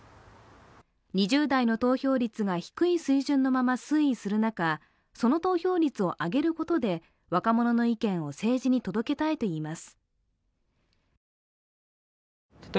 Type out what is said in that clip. ２０代の投票率が低い水準のまま推移する中、その投票率を上げることで若者の意見を政治に届けたいといいます。